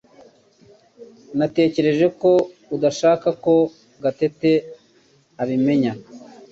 Natekereje ko udashaka ko Gatete abimenya